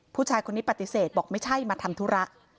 ผู้ชายคนนี้ปฏิเสธบอกไม่ใช่มาทำธุระ